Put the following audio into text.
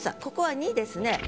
ここは「に」ですね。